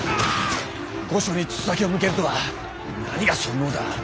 御所に筒先を向けるとは何が尊王だ。